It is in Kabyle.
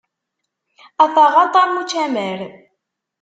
A taɣaṭ, am ucamar!